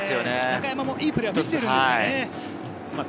中山もいいプレーは見せているんですけどね。